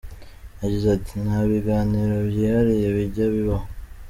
Yagize ati:” Nta biganiro byihariye bijya bibaho.